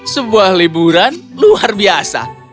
sebuah liburan luar biasa